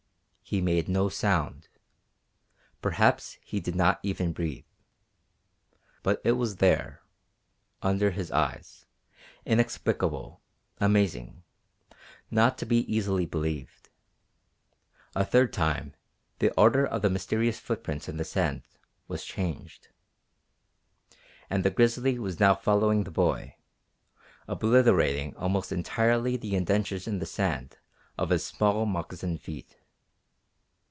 He made no sound. Perhaps he did not even breathe. But it was there under his eyes; inexplicable, amazing, not to be easily believed. A third time the order of the mysterious footprints in the sand was changed and the grizzly was now following the boy, obliterating almost entirely the indentures in the sand of his small, moccasined feet.